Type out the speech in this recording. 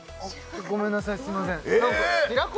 ごめんなさいすいませんえっ！？